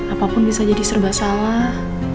apapun bisa jadi serba salah